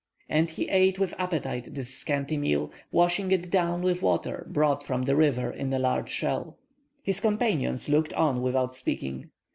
And he ate with appetite this scanty meal, washing it down with water brought from the river in a large shell. His companions looked on without speaking.